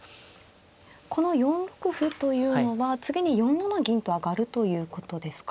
この４六歩というのは次に４七銀と上がるということですか。